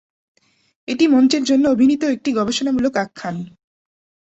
এটি মঞ্চের জন্য অভিনীত একটি গবেষণামূলক আখ্যান।